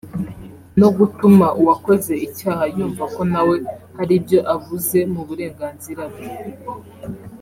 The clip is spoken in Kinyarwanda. no gutuma uwakoze icyaha yumva ko nawe hari ibyo abuze mu burenganzira bwe